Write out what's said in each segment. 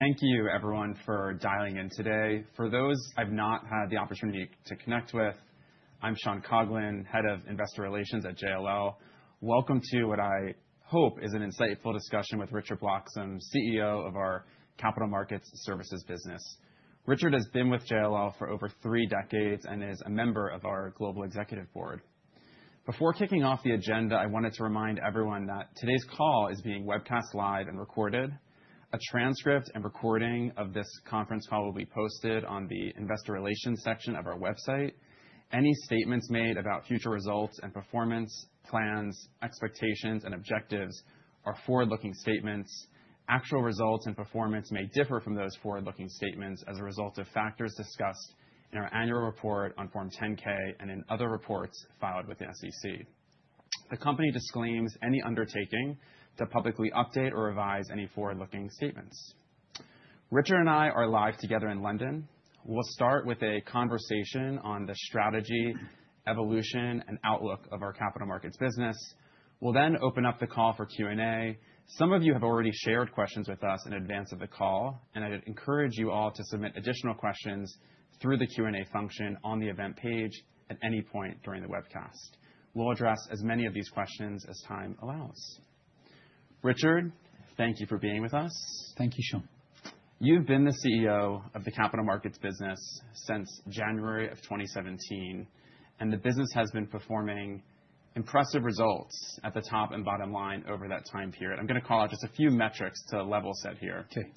Thank you everyone for dialing in today. For those I've not had the opportunity to connect with, I'm Sean Coghlan, Head of Investor Relations at JLL. Welcome to what I hope is an insightful discussion with Richard Bloxam, CEO of our Capital Markets services business. Richard has been with JLL for over three decades and is a member of our Global Executive Board. Before kicking off the agenda, I wanted to remind everyone that today's call is being webcast live and recorded. A transcript and recording of this conference call will be posted on the investor relations section of our website. Any statements made about future results and performance, plans, expectations, and objectives are forward-looking statements. Actual results and performance may differ from those forward-looking statements as a result of factors discussed in our annual report on Form 10-K and in other reports filed with the SEC. The company disclaims any undertaking to publicly update or revise any forward-looking statements. Richard and I are live together in London. We'll start with a conversation on the strategy, evolution, and outlook of our capital markets business. We'll then open up the call for Q&A. Some of you have already shared questions with us in advance of the call, and I'd encourage you all to submit additional questions through the Q&A function on the event page at any point during the webcast. We'll address as many of these questions as time allows. Richard, thank you for being with us. Thank you, Sean. You've been the CEO of the Capital Markets business since January of 2017, and the business has been performing impressive results at the top and bottom line over that time period. I'm gonna call out just a few metrics to level set here. Okay.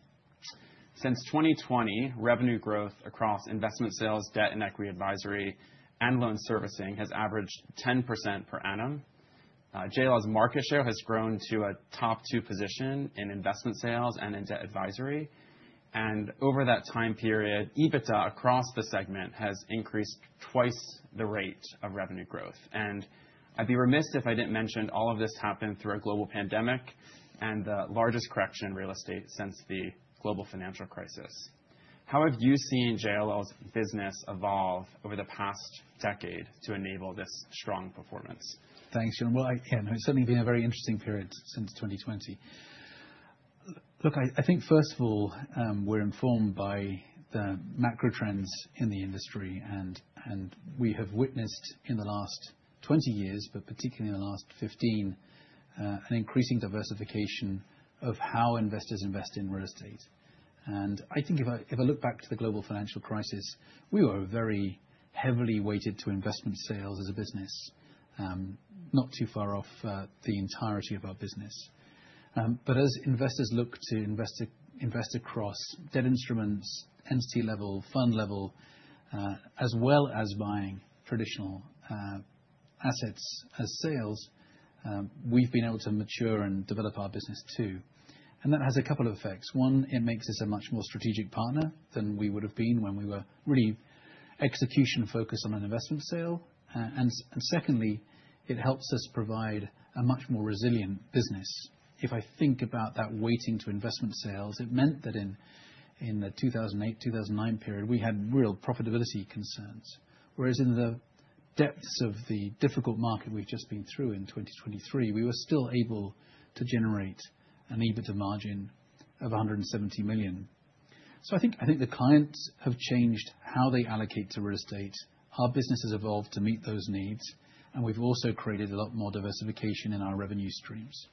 Since 2020, revenue growth across Investment Sales, Debt, and Equity Advisory and Loan Servicing has averaged 10% per annum. JLL's market share has grown to a top two position in Investment Sales and in Debt Advisory, and over that time period, EBITDA across the segment has increased twice the rate of revenue growth. I'd be remiss if I didn't mention all of this happened through a global pandemic and the largest correction in real estate since the Global Financial Crisis. How have you seen JLL's business evolve over the past decade to enable this strong performance? Thanks, Sean. Well, I can. It's certainly been a very interesting period since 2020. Look, I think first of all, we're informed by the macro trends in the industry, and we have witnessed in the last 20 years, but particularly in the last 15, an increasing diversification of how investors invest in real estate. And I think if I look back to the Global Financial Crisis, we were very heavily weighted to Investment Sales as a business, not too far off the entirety of our business. But as investors look to invest across debt instruments, entity level, fund level, as well as buying traditional asset sales, we've been able to mature and develop our business, too. And that has a couple of effects. One, it makes us a much more strategic partner than we would've been when we were really execution-focused on an investment sale. And secondly, it helps us provide a much more resilient business. If I think about that weighting to Investment Sales, it meant that in the 2008, 2009 period, we had real profitability concerns, whereas in the depths of the difficult market we've just been through in 2023, we were still able to generate an EBITDA margin of $170 million. So, I think the clients have changed how they allocate to real estate, our business has evolved to meet those needs, and we've also created a lot more diversification in our revenue streams.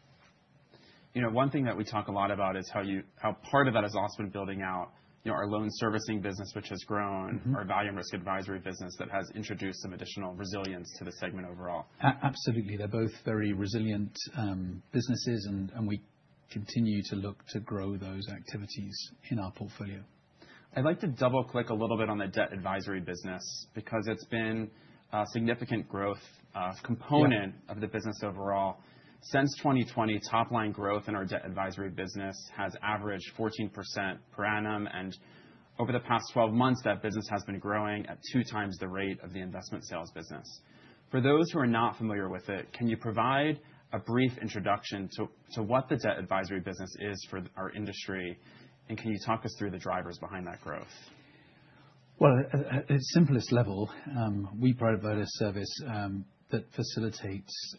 You know, one thing that we talk a lot about is how part of that has also been building out, you know, our Loan Servicing business, which has grown- Our Value and Risk Advisory business, that has introduced some additional resilience to the segment overall. Absolutely. They're both very resilient businesses, and we continue to look to grow those activities in our portfolio. I'd like to double-click a little bit on the Debt Advisory business, because it's been a significant growth component- Yeah. of the business overall. Since 2020, top-line growth in our Debt Advisory business has averaged 14% per annum, and over the past 12 months, that business has been growing at 2 times the rate of the Investment Sales business. For those who are not familiar with it, can you provide a brief introduction to what the Debt Advisory business is for our industry, and can you talk us through the drivers behind that growth? Well, at its simplest level, we provide a service that facilitates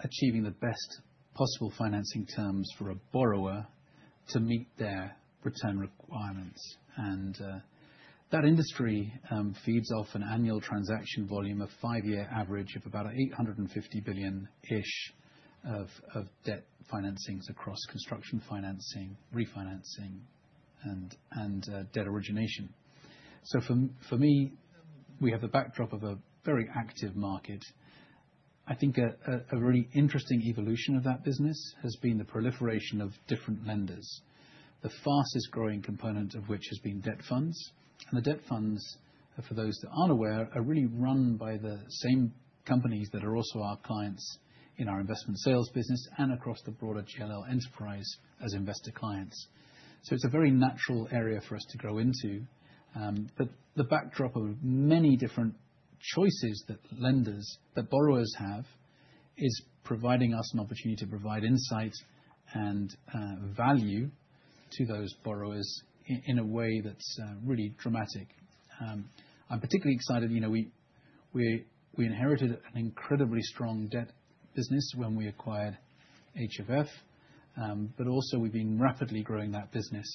achieving the best possible financing terms for a borrower to meet their return requirements. And that industry feeds off an annual transaction volume of 5-year average of about $850 billion-ish of debt financings across construction, financing, refinancing, and debt origination. So, for me, we have a backdrop of a very active market. I think a really interesting evolution of that business has been the proliferation of different lenders, the fastest growing component of which has been debt funds. And the debt funds, for those that aren't aware, are really run by the same companies that are also our clients in our Investment Sales business and across the broader JLL enterprise as investor clients. So, it's a very natural area for us to grow into. But the backdrop of many different choices that lenders, that borrowers have, is providing us an opportunity to provide insight and value to those borrowers in a way that's really dramatic. I'm particularly excited, you know, we inherited an incredibly strong Debt business when we acquired HFF, but also we've been rapidly growing that business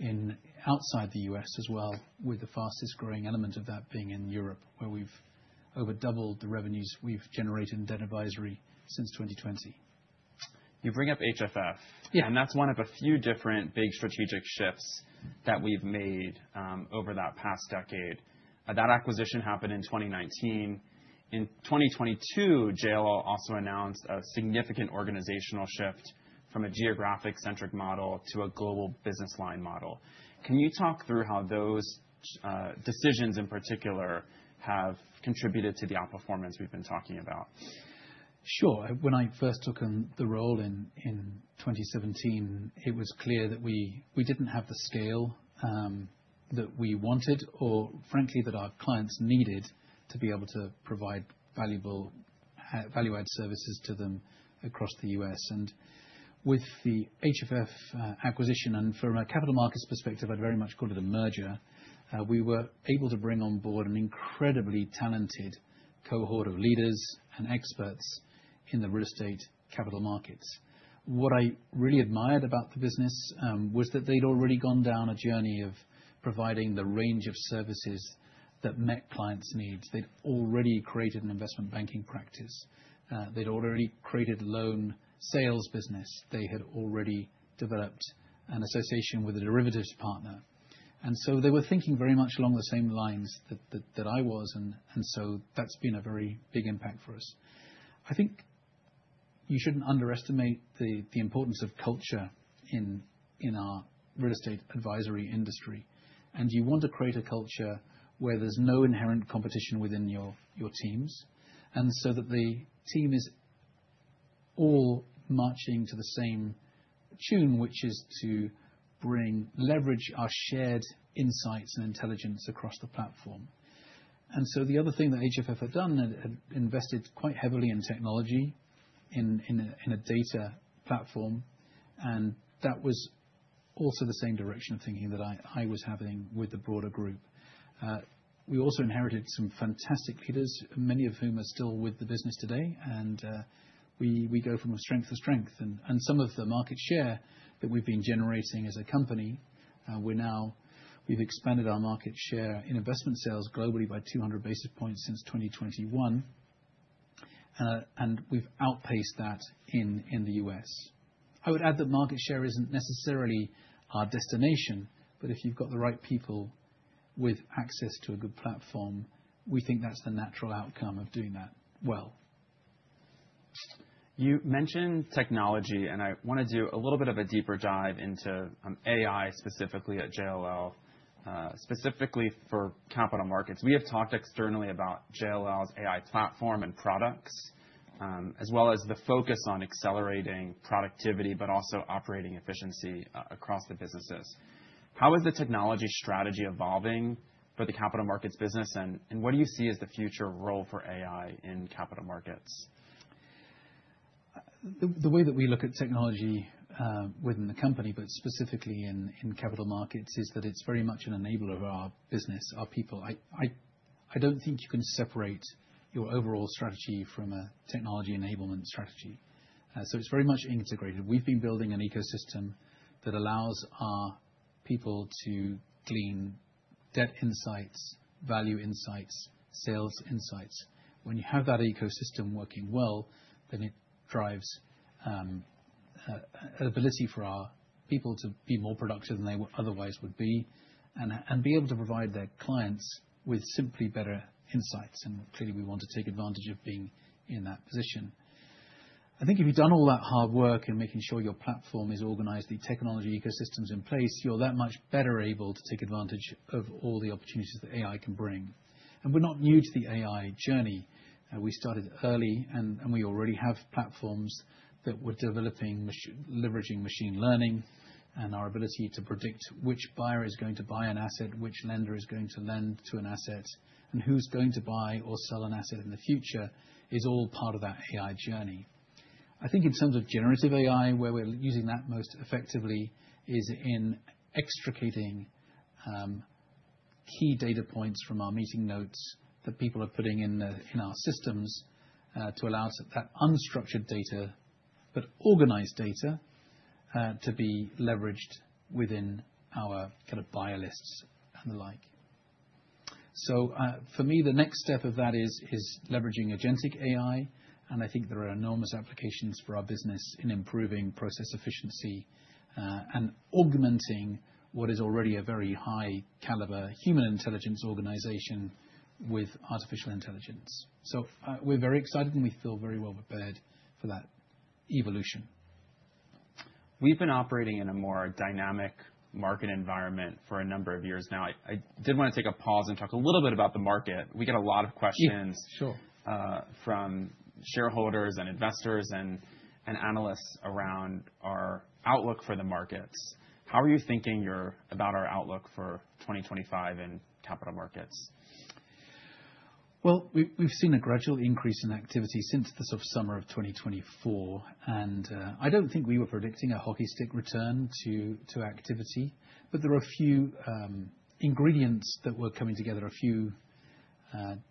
and outside the U.S. as well, with the fastest growing element of that being in Europe, where we've more than doubled the revenues we've generated in Debt Advisory since 2020. You bring up HFF. Yeah. That's one of a few different big strategic shifts that we've made over that past decade. That acquisition happened in 2019. In 2022, JLL also announced a significant organizational shift from a geographic-centric model to a global business line model. Can you talk through how those decisions in particular have contributed to the outperformance we've been talking about? Sure. When I first took on the role in 2017, it was clear that we didn't have the scale that we wanted, or frankly, that our clients needed, to be able to provide valuable, value-add services to them across the U.S. And with the HFF acquisition, and from a Capital Markets perspective, I'd very much call it a merger, we were able to bring on board an incredibly talented cohort of leaders and experts in the real estate Capital Markets. What I really admired about the business was that they'd already gone down a journey of providing the range of services that met clients' needs. They'd already created an investment banking practice. They'd already created loan sales business. They had already developed an association with a derivatives partner. They were thinking very much along the same lines that I was, and so, that's been a very big impact for us. I think you shouldn't underestimate the importance of culture in our real estate advisory industry. You want to create a culture where there's no inherent competition within your teams, and so that the team is all marching to the same tune, which is to leverage our shared insights and intelligence across the platform. The other thing that HFF had done, they had invested quite heavily in technology, in a data platform, and that was also the same direction of thinking that I was having with the broader group. We also inherited some fantastic leaders, many of whom are still with the business today, and we go from a strength to strength. And some of the market share that we've been generating as a company, we've expanded our market share in Investment Sales globally by 200 basis points since 2021. And we've outpaced that in the U.S. I would add that market share isn't necessarily our destination, but if you've got the right people with access to a good platform, we think that's the natural outcome of doing that well. You mentioned technology, and I wanna do a little bit of a deeper dive into AI, specifically at JLL, specifically for capital markets. We have talked externally about JLL's AI platform and products, as well as the focus on accelerating productivity, but also operating efficiency across the businesses. How is the technology strategy evolving for the capital markets business, and what do you see as the future role for AI in capital markets? The way that we look at technology within the company, but specifically in Capital Markets, is that it's very much an enabler of our business, our people. I don't think you can separate your overall strategy from a technology enablement strategy, so it's very much integrated. We've been building an ecosystem that allows our people to glean debt insights, value insights, sales insights. When you have that ecosystem working well, then it drives ability for our people to be more productive than they otherwise would be and be able to provide their clients with simply better insights. And clearly, we want to take advantage of being in that position. I think if you've done all that hard work in making sure your platform is organized, the technology ecosystem is in place, you're that much better able to take advantage of all the opportunities that AI can bring. We're not new to the AI journey. We started early, and, and we already have platforms that we're developing, leveraging machine learning, and our ability to predict which buyer is going to buy an asset, which lender is going to lend to an asset, and who's going to buy or sell an asset in the future, is all part of that AI journey. I think in terms of generative AI, where we're using that most effectively is in extricating key data points from our meeting notes that people are putting in the, in our systems, to allow that unstructured data, but organized data, to be leveraged within our kind of buyer lists and the like. So, for me, the next step of that is leveraging agentic AI, and I think there are enormous applications for our business in improving process efficiency and augmenting what is already a very high caliber human intelligence organization with artificial intelligence. So, we're very excited, and we feel very well prepared for that evolution. We've been operating in a more dynamic market environment for a number of years now. I did wanna take a pause and talk a little bit about the market. We get a lot of questions- Yeah, sure. from shareholders and investors and analysts around our outlook for the markets. How are you thinking about our outlook for 2025 in Capital Markets? Well, we've seen a gradual increase in activity since the sort of summer of 2024, and I don't think we were predicting a hockey stick return to activity, but there were a few ingredients that were coming together, a few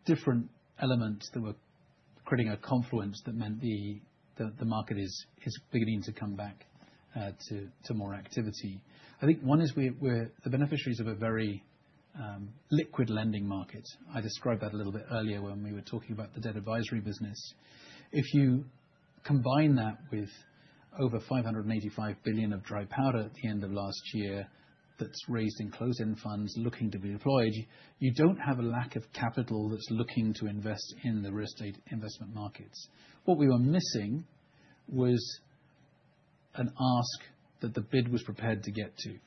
different elements that were creating a confluence that meant the market is beginning to come back to more activity. I think one is we're the beneficiaries of a very liquid lending market. I described that a little bit earlier when we were talking about the Debt Advisory business. If you combine that with over $585 billion of dry powder at the end of last year, that's raised in closed-end funds looking to be deployed, you don't have a lack of capital that's looking to invest in the real estate investment markets. What we were missing was an ask that the bid was prepared to get to,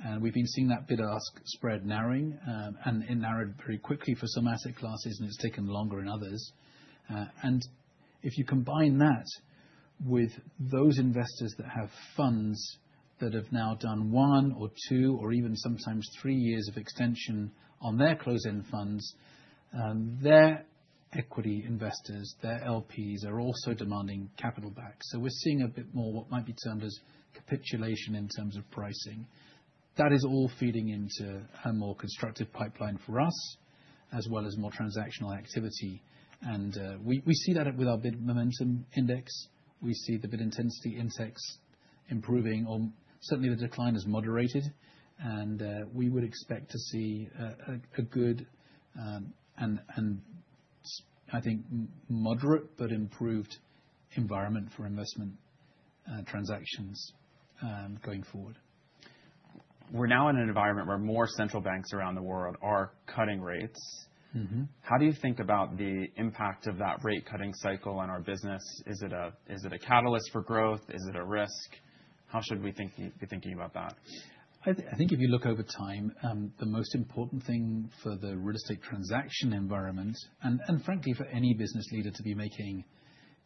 and we've been seeing that bid-ask spread narrowing, and it narrowed very quickly for some asset classes, and it's taken longer in others. And if you combine that with those investors that have funds that have now done one or two, or even sometimes three years of extension on their closed-end funds, their equity investors, their LPs, are also demanding capital back. So, we're seeing a bit more what might be termed as capitulation in terms of pricing. That is all feeding into a more constructive pipeline for us, as well as more transactional activity, and we see that with our Bid Momentum Index. We see the Bid Intensity Index improving, or certainly, the decline has moderated, and we would expect to see a good, and I think moderate but improved environment for investment transactions going forward. We're now in an environment where more central banks around the world are cutting rates. How do you think about the impact of that rate cutting cycle on our business? Is it a catalyst for growth? Is it a risk? How should we be thinking about that? I think if you look over time, the most important thing for the real estate transaction environment, and frankly for any business leader to be making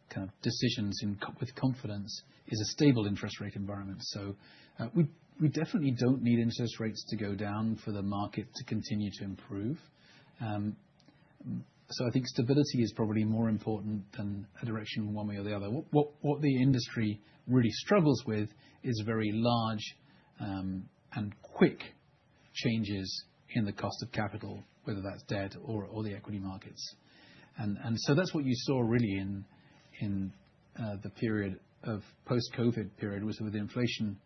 kind of decisions in context with confidence, is a stable interest rate environment. So, we definitely don't need interest rates to go down for the market to continue to improve. So, I think stability is probably more important than a direction one way or the other. What the industry really struggles with is very large, and quick changes in the cost of capital, whether that's debt or the equity markets. And so that's what you saw really in the post-COVID period, with inflation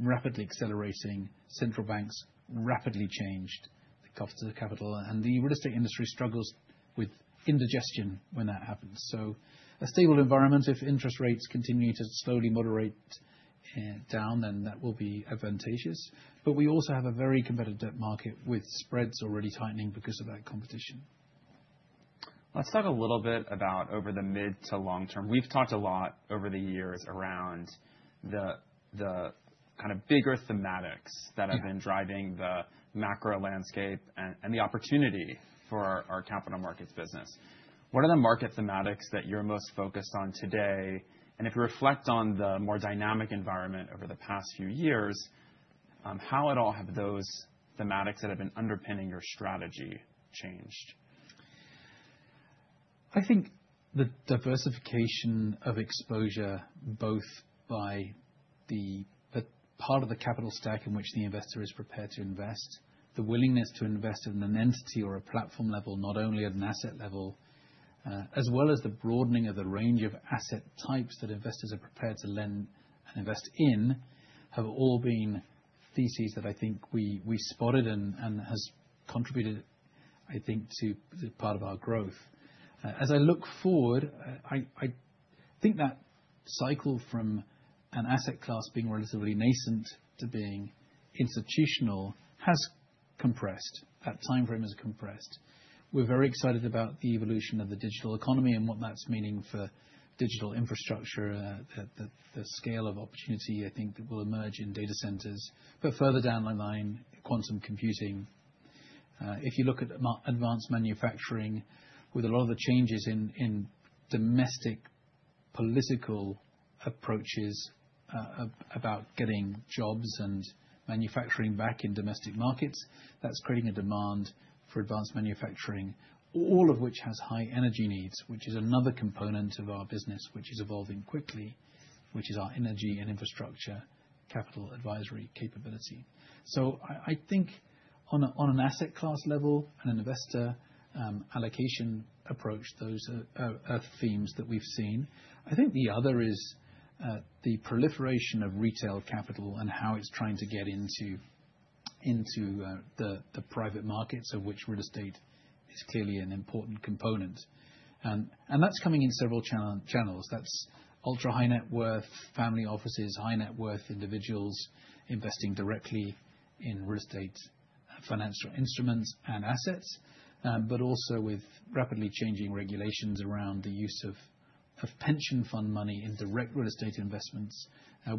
rapidly accelerating, central banks rapidly changed the cost of the capital, and the real estate industry struggles with indigestion when that happens. So a stable environment, if interest rates continue to slowly moderate, down, then that will be advantageous. But we also have a very competitive debt market, with spreads already tightening because of that competition. Let's talk a little bit about over the mid to long term. We've talked a lot over the years around the kind of bigger thematics- Yeah... that have been driving the macro landscape and the opportunity for our Capital Markets business. What are the market thematics that you're most focused on today? And if you reflect on the more dynamic environment over the past few years, how at all have those thematics that have been underpinning your strategy changed? I think the diversification of exposure, both by the part of the capital stack in which the investor is prepared to invest, the willingness to invest in an entity or a platform level, not only at an asset level, as well as the broadening of the range of asset types that investors are prepared to lend and invest in, have all been theses that I think we spotted and has contributed, I think, to part of our growth. As I look forward, I think that cycle from an asset class being relatively nascent to being institutional has compressed. That timeframe has compressed. We're very excited about the evolution of the digital economy and what that's meaning for digital infrastructure, the scale of opportunity I think will emerge in data centers. But further down the line, quantum computing. If you look at advanced manufacturing, with a lot of the changes in domestic political approaches about getting jobs and manufacturing back in domestic markets, that's creating a demand for advanced manufacturing, all of which has high energy needs, which is another component of our business, which is evolving quickly, which is our Energy and Infrastructure Capital Advisory capability. So, I think on an asset class level and an investor allocation approach, those are themes that we've seen. I think the other is the proliferation of retail capital and how it's trying to get into the private markets, of which real estate is clearly an important component. And that's coming in several channels. That's ultrahigh net worth, family offices, high net worth individuals investing directly in real estate, financial instruments, and assets, but also with rapidly changing regulations around the use of pension fund money in direct real estate investments.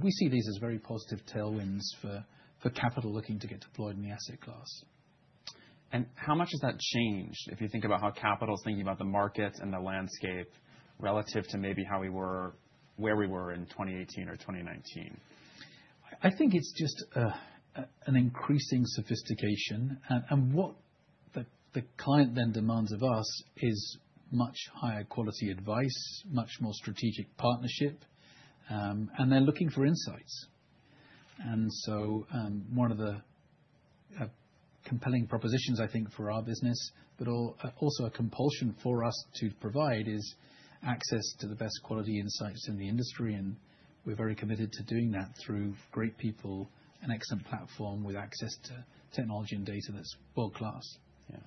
We see these as very positive tailwinds for capital looking to get deployed in the asset class. How much has that changed, if you think about how capital is thinking about the markets and the landscape relative to maybe where we were in 2018 or 2019? I think it's just an increasing sophistication. And what the client then demands of us is much higher quality advice, much more strategic partnership, and they're looking for insights. And so, one of the compelling propositions, I think, for our business, but also a compulsion for us to provide, is access to the best quality insights in the industry, and we're very committed to doing that through great people, an excellent platform with access to technology and data that's world-class. Yeah.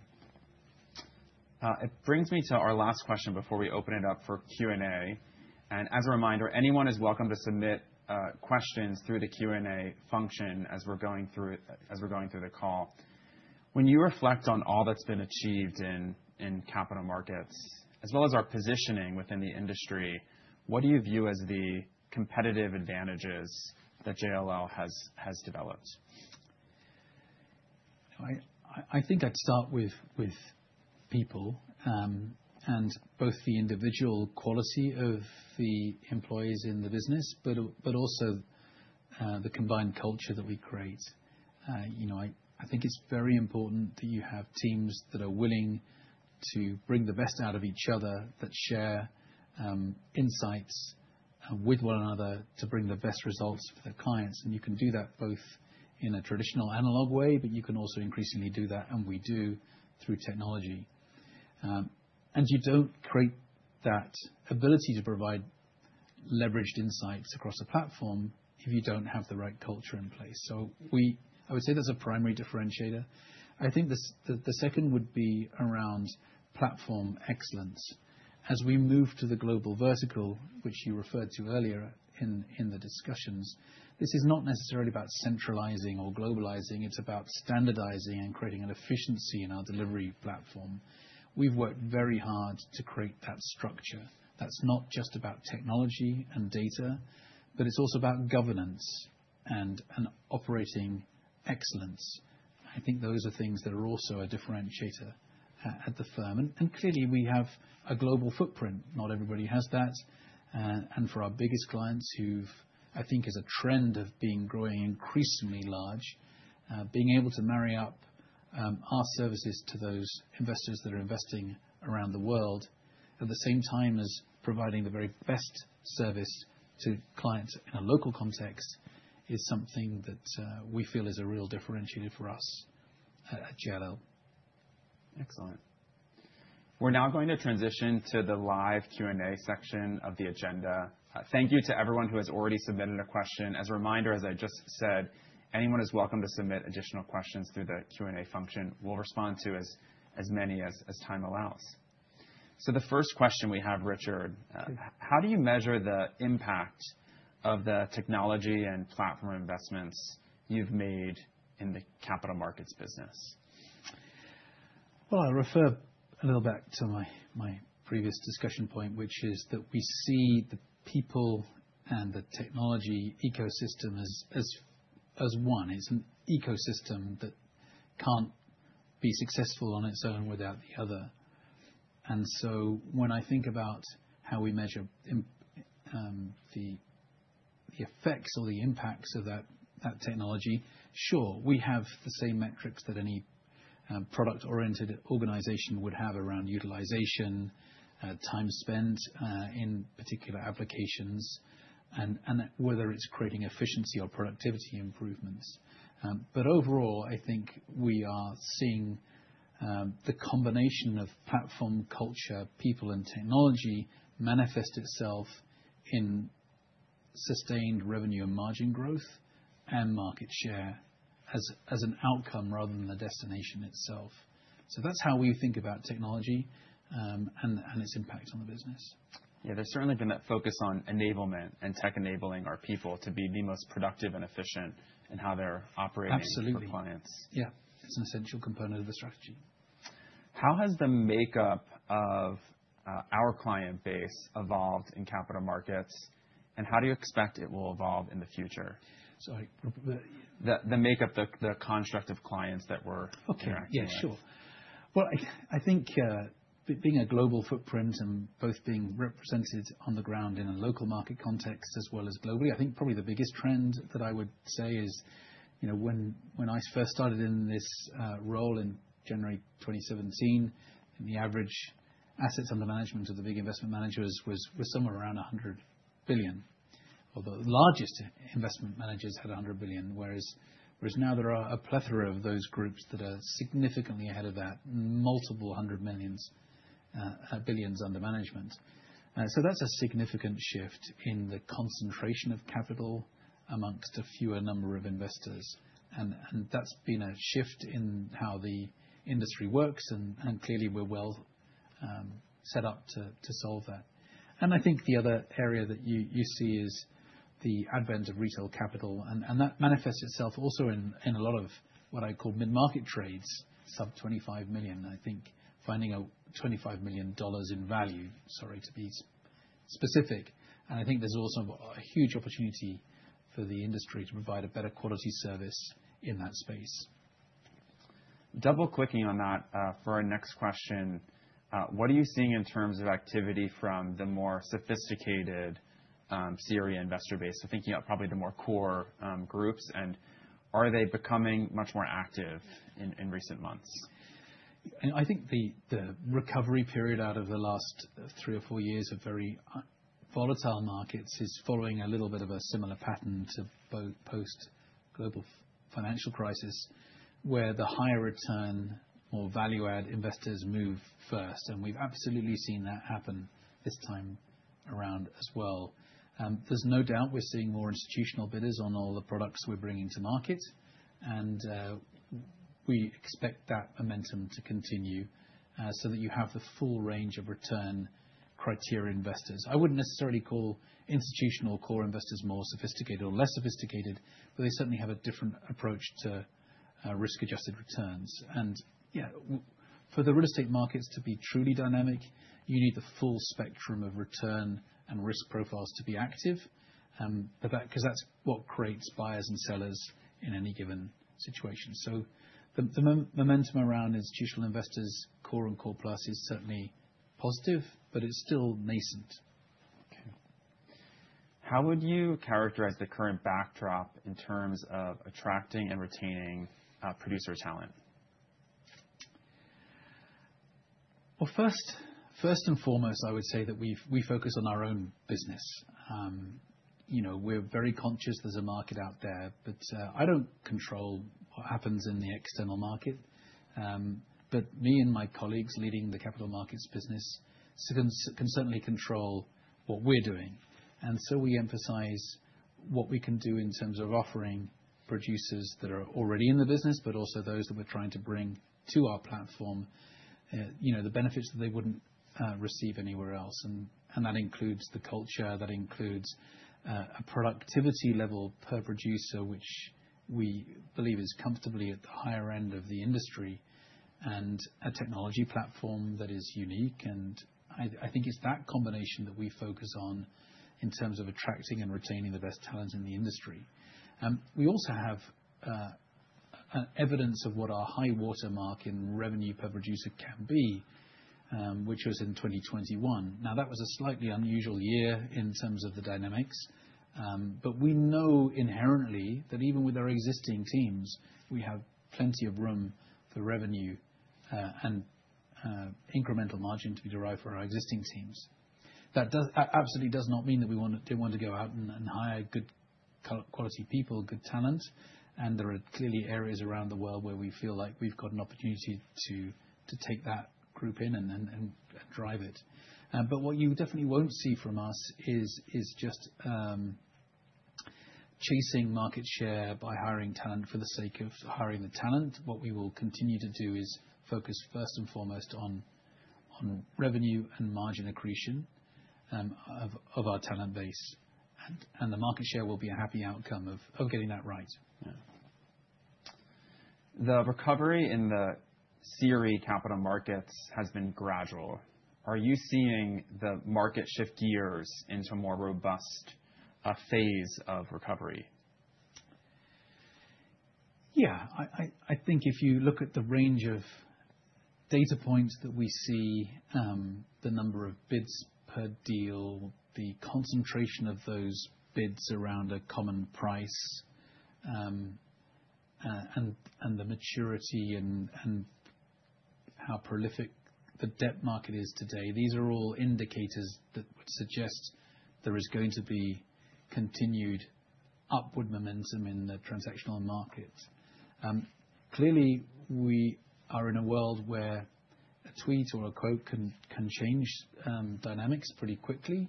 It brings me to our last question before we open it up for Q&A. And as a reminder, anyone is welcome to submit questions through the Q&A function as we're going through it, as we're going through the call. When you reflect on all that's been achieved in Capital Markets, as well as our positioning within the industry, what do you view as the competitive advantages that JLL has developed? I think I'd start with people, and both the individual quality of the employees in the business, but also the combined culture that we create. You know, I think it's very important that you have teams that are willing to bring the best out of each other, that share insights with one another to bring the best results for their clients. And you can do that both in a traditional analog way, but you can also increasingly do that, and we do, through technology. And you don't create that ability to provide leveraged insights across the platform if you don't have the right culture in place. I would say that's a primary differentiator. I think the second would be around platform excellence. As we move to the global vertical, which you referred to earlier in the discussions, this is not necessarily about centralizing or globalizing, it's about standardizing and creating an efficiency in our delivery platform. We've worked very hard to create that structure. That's not just about technology and data, but it's also about governance and operating excellence. I think those are things that are also a differentiator at the firm. And clearly, we have a global footprint. Not everybody has that. And for our biggest clients who've I think is a trend of being growing increasingly large, being able to marry up our services to those investors that are investing around the world, at the same time as providing the very best service to clients in a local context, is something that we feel is a real differentiator for us at JLL. Excellent. We're now going to transition to the live Q&A section of the agenda. Thank you to everyone who has already submitted a question. As a reminder, as I just said, anyone is welcome to submit additional questions through the Q&A function. We'll respond to as many as time allows. So the first question we have, Richard: How do you measure the impact of the technology and platform investments you've made in the Capital Markets business? Well, I refer a little back to my previous discussion point, which is that we see the people and the technology ecosystem as one. It's an ecosystem that can't be successful on its own without the other. And so, when I think about how we measure the effects or the impacts of that technology, sure, we have the same metrics that any product-oriented organization would have around utilization, time spent in particular applications, and whether it's creating efficiency or productivity improvements. But overall, I think we are seeing the combination of platform, culture, people, and technology manifest itself in sustained revenue and margin growth and market share, as an outcome rather than the destination itself. So, that's how we think about technology and its impact on the business. Yeah, there's certainly been that focus on enablement and tech enabling our people to be the most productive and efficient in how they're operating- Absolutely. -for clients. Yeah. It's an essential component of the strategy. How has the makeup of our client base evolved in Capital Markets, and how do you expect it will evolve in the future? Sorry, the- The makeup, the construct of clients that we're interacting with. Okay. Yeah, sure. Well, I think being a global footprint and both being represented on the ground in a local market context as well as globally, I think probably the biggest trend that I would say is, you know, when I first started in this role in January 2017, and the average assets under management of the big investment managers was somewhere around $100 billion. Although the largest investment managers had $100 billion, whereas now there are a plethora of those groups that are significantly ahead of that, multiple hundred millions, billions under management. So that's a significant shift in the concentration of capital amongst a fewer number of investors. And that's been a shift in how the industry works, and clearly, we're well set up to solve that. I think the other area that you, you see is the advent of retail capital, and, and that manifests itself also in, in a lot of what I call mid-market trades, sub $25 million. I think finding $25 million in value, sorry, to be specific, and I think there's also a, a huge opportunity for the industry to provide a better quality service in that space. Double-clicking on that, for our next question. What are you seeing in terms of activity from the more sophisticated CRE investor base? So, thinking about probably the more core groups. Are they becoming much more active in recent months? I think the recovery period out of the last three or four years of very volatile markets is following a little bit of a similar pattern to both post-Global Financial Crisis, where the higher return or value-add investors move first, and we've absolutely seen that happen this time around as well. There's no doubt we're seeing more institutional bidders on all the products we're bringing to market, and we expect that momentum to continue, so that you have the full range of return criteria investors. I wouldn't necessarily call institutional core investors more sophisticated or less sophisticated, but they certainly have a different approach to risk-adjusted returns. Yeah, for the real estate markets to be truly dynamic, you need the full spectrum of return and risk profiles to be active, but that, because that's what creates buyers and sellers in any given situation. So, the momentum around institutional investors, core and core plus, is certainly positive, but it's still nascent. Okay. How would you characterize the current backdrop in terms of attracting and retaining producer talent? Well, first and foremost, I would say that we focus on our own business. You know, we're very conscious there's a market out there, but I don't control what happens in the external market. But me and my colleagues leading the Capital Markets business, so can certainly control what we're doing. And so we emphasize what we can do in terms of offering producers that are already in the business, but also those that we're trying to bring to our platform, you know, the benefits that they wouldn't receive anywhere else. And that includes the culture, that includes a productivity level per producer, which we believe is comfortably at the higher end of the industry, and a technology platform that is unique. I think it's that combination that we focus on in terms of attracting and retaining the best talents in the industry. We also have evidence of what our high-water mark in revenue per producer can be, which was in 2021. Now, that was a slightly unusual year in terms of the dynamics, but we know inherently that even with our existing teams, we have plenty of room for revenue and incremental margin to be derived from our existing teams. That absolutely does not mean that we didn't want to go out and hire good quality people, good talent, and there are clearly areas around the world where we feel like we've got an opportunity to take that group in and then drive it. But what you definitely won't see from us is just chasing market share by hiring talent for the sake of hiring the talent. What we will continue to do is focus first and foremost on revenue and margin accretion of our talent base, and the market share will be a happy outcome of getting that right. Yeah. The recovery in the CRE capital markets has been gradual. Are you seeing the market shift gears into a more robust, phase of recovery? Yeah, I think if you look at the range of data points that we see, the number of bids per deal, the concentration of those bids around a common price, and the maturity and how prolific the debt market is today, these are all indicators that would suggest there is going to be continued upward momentum in the transactional market. Clearly, we are in a world where a tweet or a quote can change dynamics pretty quickly,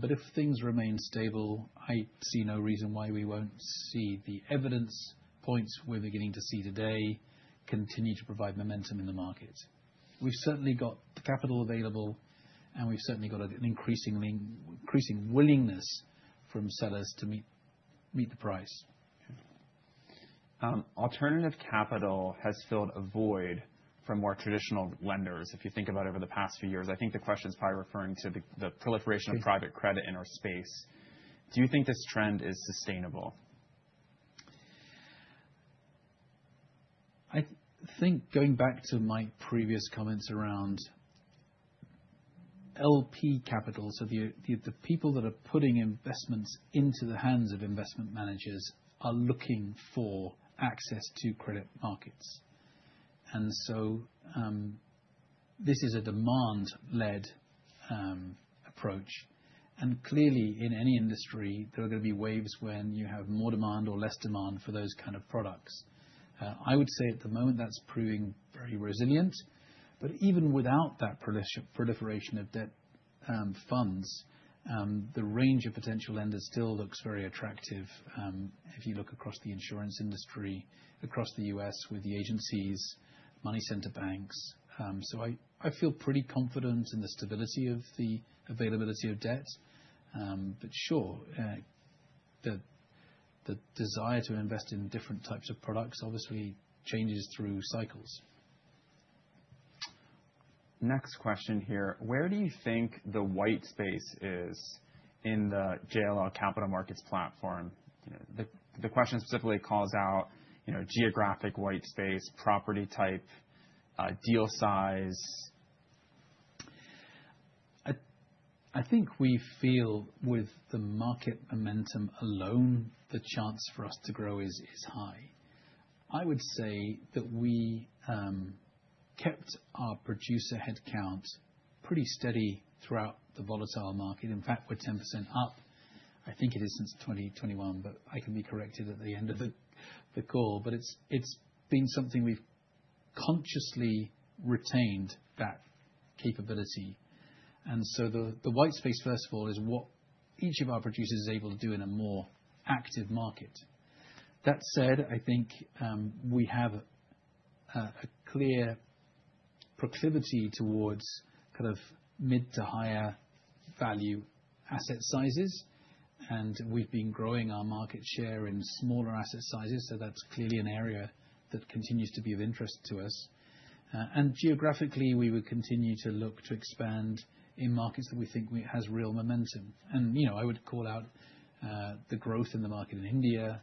but if things remain stable, I see no reason why we won't see the evidence points we're beginning to see today continue to provide momentum in the market. We've certainly got the capital available, and we've certainly got an increasingly increasing willingness from sellers to meet the price. Alternative capital has filled a void for more traditional lenders, if you think about over the past few years. I think the question is probably referring to the proliferation of private credit in our space. Do you think this trend is sustainable? I think, going back to my previous comments around LP capital, so the people that are putting investments into the hands of investment managers are looking for access to credit markets. And so, this is a demand-led approach. And clearly, in any industry, there are gonna be waves when you have more demand or less demand for those kind of products. I would say at the moment, that's proving very resilient, but even without that proliferation of debt funds, the range of potential lenders still looks very attractive, if you look across the insurance industry, across the U.S. with the agencies, money center banks, so, I feel pretty confident in the stability of the availability of debt. But sure, the desire to invest in different types of products obviously changes through cycles. Next question here: Where do you think the white space is in the JLL Capital Markets platform? You know, the question specifically calls out, you know, geographic white space, property type, deal size.... I think we feel with the market momentum alone, the chance for us to grow is high. I would say that we kept our producer headcount pretty steady throughout the volatile market. In fact, we're 10% up. I think it is since 2021, but I can be corrected at the end of the call. But it's been something we've consciously retained that capability. And so the white space, first of all, is what each of our producers is able to do in a more active market. That said, I think we have a clear proclivity towards kind of mid to higher value asset sizes, and we've been growing our market share in smaller asset sizes, so that's clearly an area that continues to be of interest to us. Geographically, we would continue to look to expand in markets that we think has real momentum. You know, I would call out the growth in the market in India,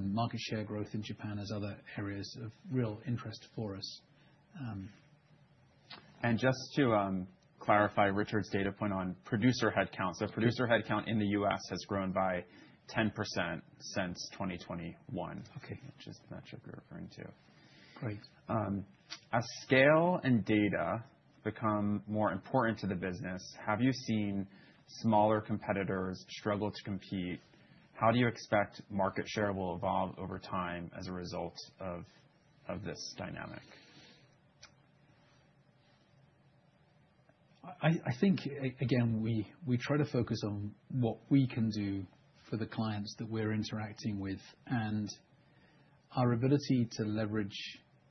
market share growth in Japan as other areas of real interest for us. Just to clarify Richard's data point on producer headcount. So, producer headcount in the U.S. has grown by 10% since 2021. Okay. Which is that you're referring to? Great. As scale and data become more important to the business, have you seen smaller competitors struggle to compete? How do you expect market share will evolve over time as a result of this dynamic? I think, again, we try to focus on what we can do for the clients that we're interacting with, and our ability to leverage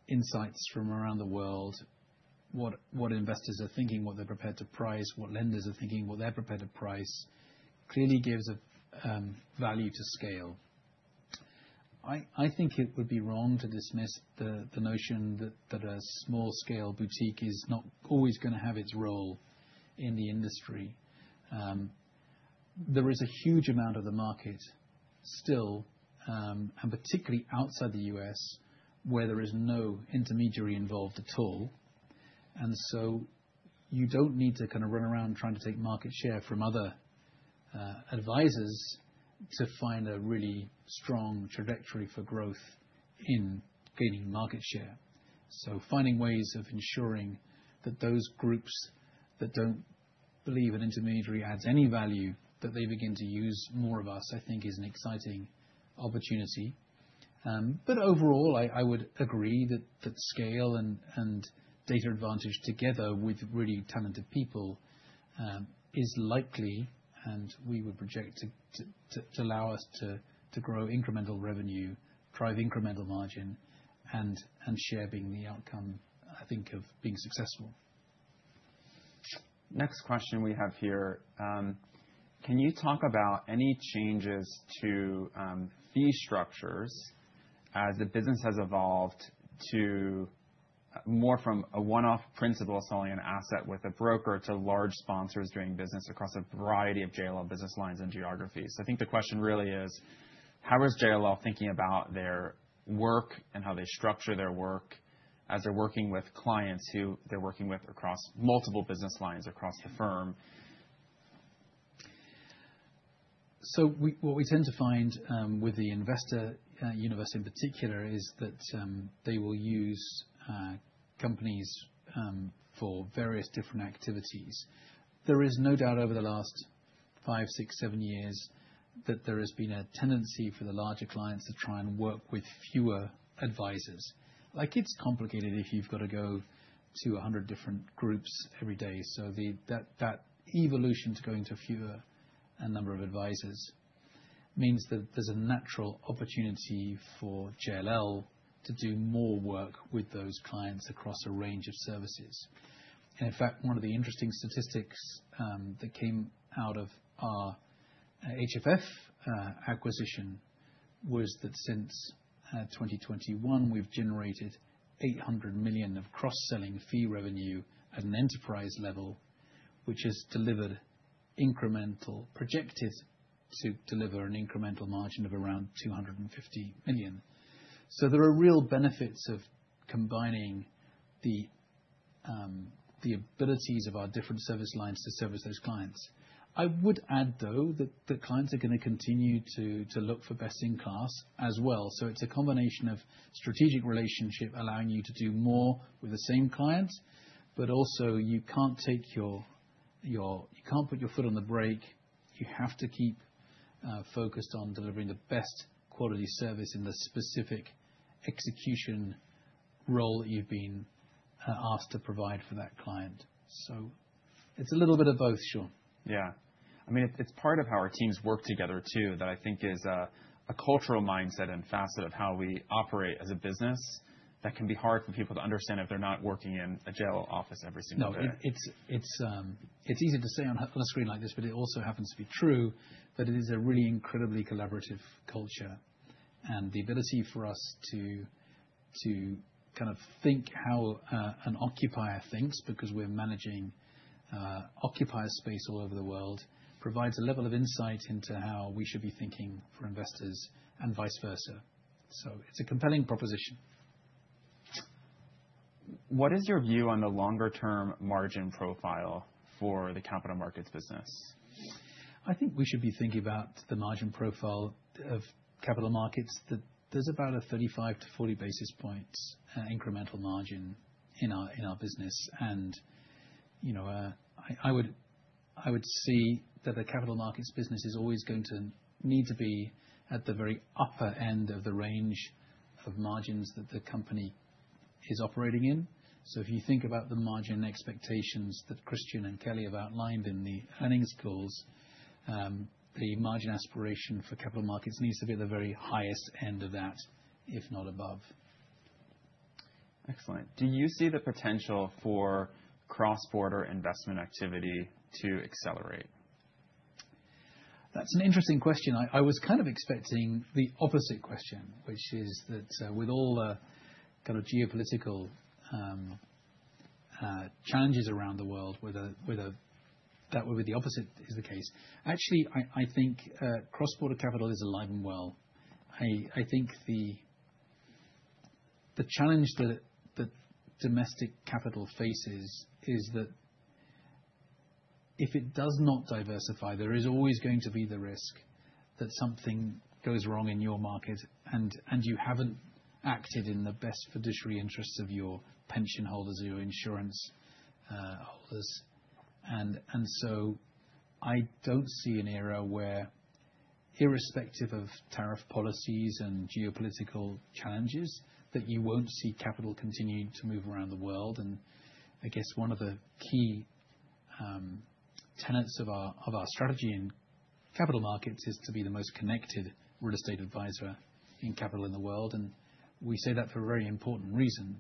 insights from around the world, what investors are thinking, what they're prepared to price, what lenders are thinking, what they're prepared to price, clearly gives value to scale. I think it would be wrong to dismiss the notion that a small scale boutique is not always gonna have its role in the industry. There is a huge amount of the market still, and particularly outside the U.S., where there is no intermediary involved at all. And so, you don't need to kind of run around trying to take market share from other advisors to find a really strong trajectory for growth in gaining market share. So, finding ways of ensuring that those groups that don't believe an intermediary adds any value, that they begin to use more of us, I think is an exciting opportunity. But overall, I would agree that the scale and data advantage together with really talented people is likely and we would project to allow us to grow incremental revenue, drive incremental margin, and share being the outcome, I think, of being successful. Next question we have here. Can you talk about any changes to, fee structures as the business has evolved to more from a one-off principle of selling an asset with a broker to large sponsors doing business across a variety of JLL business lines and geographies? I think the question really is: How is JLL thinking about their work and how they structure their work as they're working with clients who they're working with across multiple business lines across the firm? So, what we tend to find with the investor universe in particular is that they will use companies for various different activities. There is no doubt over the last 5, 6, 7 years that there has been a tendency for the larger clients to try and work with fewer advisors. Like, it's complicated if you've got to go to 100 different groups every day, so that evolution to going to fewer, a number of advisors, means that there's a natural opportunity for JLL to do more work with those clients across a range of services. In fact, one of the interesting statistics that came out of our HFF acquisition was that since 2021, we've generated $800 million of cross-selling fee revenue at an enterprise level, which has delivered incremental—projected to deliver an incremental margin of around $250 million. So, there are real benefits of combining the abilities of our different service lines to service those clients. I would add, though, that the clients are gonna continue to look for best-in-class as well. So, it's a combination of strategic relationship, allowing you to do more with the same client, but also, you can't take your foot on the brake. You have to keep focused on delivering the best quality service in the specific execution role that you've been asked to provide for that client. So it's a little bit of both, Sean. Yeah. I mean, it's part of how our teams work together, too, that I think is a cultural mindset and facet of how we operate as a business, that can be hard for people to understand if they're not working in a JLL office every single day. No, it's easy to say on a screen like this, but it also happens to be true, that it is a really incredibly collaborative culture. And the ability for us to kind of think how an occupier thinks, because we're managing occupier space all over the world, provides a level of insight into how we should be thinking for investors and vice versa. So, it's a compelling proposition. ... What is your view on the longer term margin profile for the Capital Markets business? I think we should be thinking about the margin profile of Capital Markets. That there's about a 35-40 basis points incremental margin in our business. And, you know, I would see that the Capital Markets business is always going to need to be at the very upper end of the range of margins that the company is operating in. So, if you think about the margin expectations that Christian and Karen have outlined in the earnings calls, the margin aspiration for Capital Markets needs to be at the very highest end of that, if not above. Excellent. Do you see the potential for cross-border investment activity to accelerate? That's an interesting question. I was kind of expecting the opposite question, which is that with all the kind of geopolitical challenges around the world, whether that would be the opposite is the case. Actually, I think cross-border capital is alive and well. I think the challenge that domestic capital faces is that if it does not diversify, there is always going to be the risk that something goes wrong in your market, and you haven't acted in the best fiduciary interests of your pension holders or your insurance holders. And so, I don't see an era where, irrespective of tariff policies and geopolitical challenges, that you won't see capital continuing to move around the world. And I guess one of the key tenets of our strategy in capital markets is to be the most connected real estate advisor in the Capital Markets in the world. And we say that for a very important reason,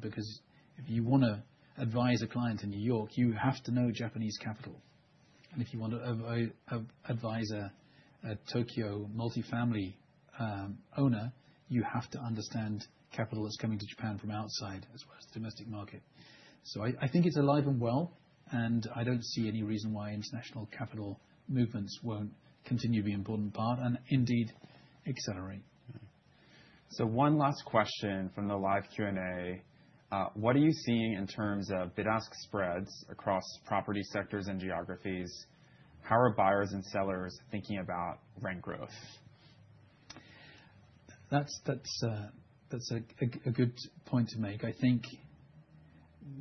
because if you wanna advise a client in New York, you have to know Japanese capital. And if you want to advise a Tokyo multifamily owner, you have to understand capital that's coming to Japan from outside, as well as the domestic market. So, I think it's alive and well, and I don't see any reason why international capital movements won't continue to be an important part, and indeed, accelerate. So, one last question from the live Q&A. What are you seeing in terms of bid-ask spreads across property sectors and geographies? How are buyers and sellers thinking about rent growth? That's a good point to make. I think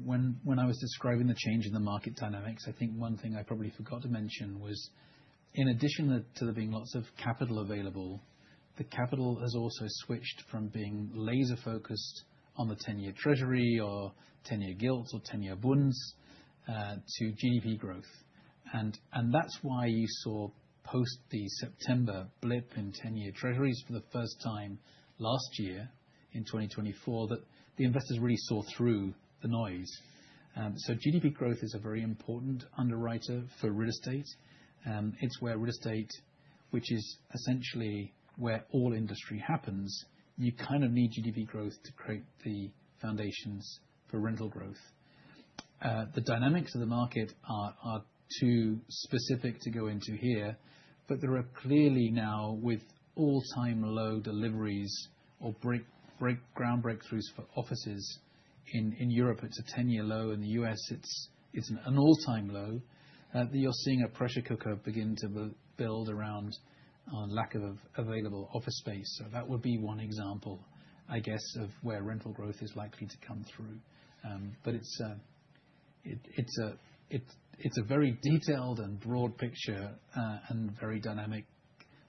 when I was describing the change in the market dynamics, I think one thing I probably forgot to mention was, in addition to there being lots of capital available, the capital has also switched from being laser focused on the ten-year Treasury or ten-year Gilts or ten-year Bunds, to GDP growth. And that's why you saw, post the September blip in ten-year treasuries for the first time last year, in 2024, that the investors really saw through the noise. So, GDP growth is a very important underwriter for real estate. It's where real estate, which is essentially where all industry happens, you kind of need GDP growth to create the foundations for rental growth. The dynamics of the market are too specific to go into here, but there are clearly now, with all-time low deliveries or ground breakings for offices in Europe, it's a 10-year low. In the U.S., it's an all-time low, that you're seeing a pressure cooker begin to build around lack of available office space. So, that would be one example, I guess, of where rental growth is likely to come through. But it's a very detailed and broad picture, and very dynamic,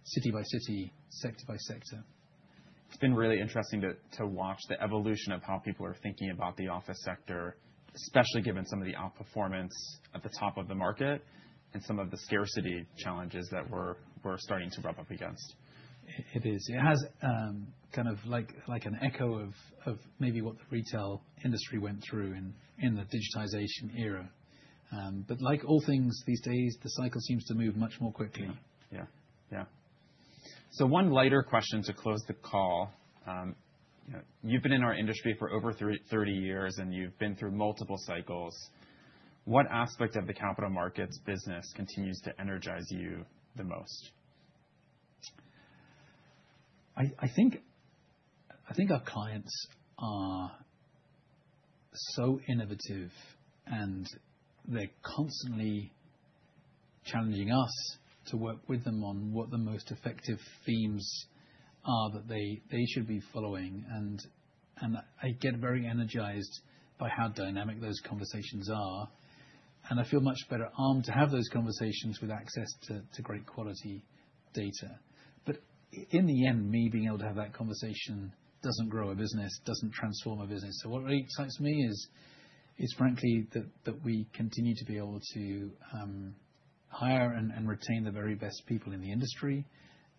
city by city, sector by sector. It's been really interesting to watch the evolution of how people are thinking about the office sector, especially given some of the outperformance at the top of the market and some of the scarcity challenges that we're starting to rub up against. It is. It has kind of like an echo of maybe what the retail industry went through in the digitization era. But like all things these days, the cycle seems to move much more quickly. Yeah. Yeah. So, one lighter question to close the call. You've been in our industry for over 30 years, and you've been through multiple cycles. What aspect of the Capital Markets business continues to energize you the most? I think our clients are so innovative, and they're constantly challenging us to work with them on what the most effective themes are that they should be following. And I get very energized by how dynamic those conversations are, and I feel much better armed to have those conversations with access to great quality data. But in the end, me being able to have that conversation doesn't grow a business, doesn't transform a business. So, what really excites me is frankly that we continue to be able to hire and retain the very best people in the industry,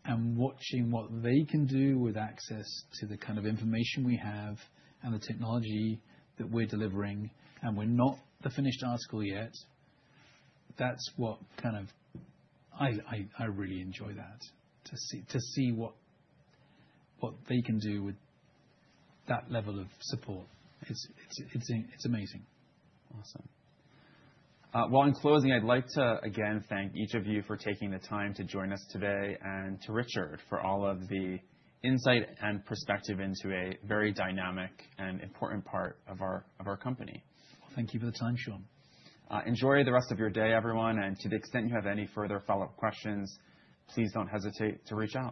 and watching what they can do with access to the kind of information we have and the technology that we're delivering, and we're not the finished article yet. That's what kind of... I really enjoy that. To see what they can do with that level of support, it's amazing. Awesome. Well, in closing, I'd like to again thank each of you for taking the time to join us today, and to Richard, for all of the insight and perspective into a very dynamic and important part of our, of our company. Thank you for the time, Sean. Enjoy the rest of your day, everyone, and to the extent you have any further follow-up questions, please don't hesitate to reach out.